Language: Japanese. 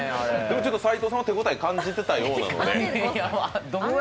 斉藤さんは手応え感じてたようなので。